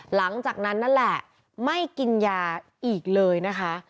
หลังจากนั้นนั่นแหละไม่กินยาอีกเลยนะคะ